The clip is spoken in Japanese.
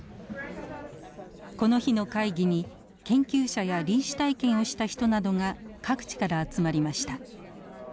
この日の会議に研究者や臨死体験をした人などが各地から集まりました。